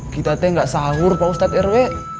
gita tee enggak sahur pak ustadz rw